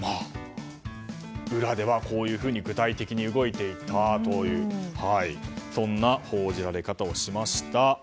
裏ではこういうふうに具体的に動いていたというそんな報じられ方をしました。